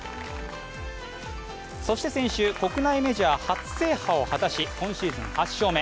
そして先週、国内メジャー初制覇を果たし今シーズン８勝目。